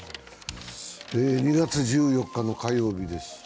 ２月１４日の火曜日です。